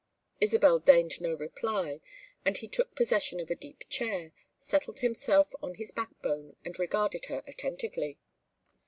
Isabel deigned no reply, and he took possession of a deep chair, settled himself on his backbone, and regarded her attentively.